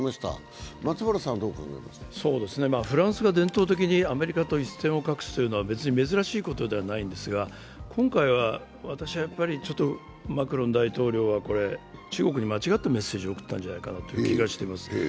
フランスが伝統的にアメリカと一線を画すというのは別に珍しいことではないんですが、今回はちょっとマクロン大統領は中国に間違ったメッセージを送ったんじゃないかという気がしています。